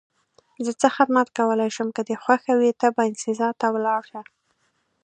زه څه خدمت کولای شم؟ که دې خوښه وي ته باینسیزا ته ولاړ شه.